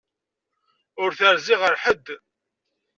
Ur terzi ɣer ḥedd.